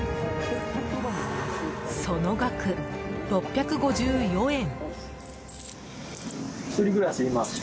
その額、６５４円。